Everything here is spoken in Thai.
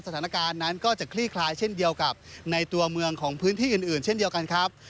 สถานการณ์นั้นก็จะคลี่คลายเช่นเดียวกับในตัวเมืองของพื้นที่อื่นเช่นเดียวกันครับ